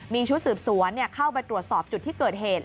มีชุดสืบสวนเข้าไปตรวจสอบจุดที่เกิดเหตุ